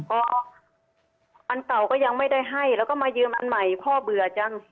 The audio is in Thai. พออันเก่าก็ยังไม่ได้ให้แล้วก็มายืมอันใหม่พ่อเบื่อจัง